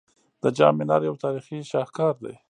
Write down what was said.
د جام منار یو تاریخي شاهکار دی